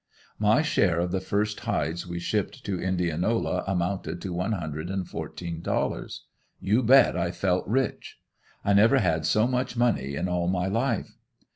My share of the first hides we shipped to Indianola amounted to one hundred and fourteen dollars. You bet I felt rich. I never had so much money in all my life.